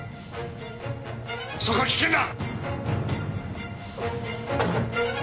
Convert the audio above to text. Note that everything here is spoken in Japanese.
そこは危険だ！